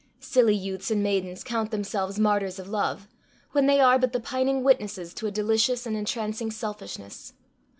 Silly youths and maidens count themselves martyrs of love, when they are but the pining witnesses to a delicious and entrancing selfishness.